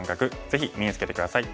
ぜひ身につけて下さい。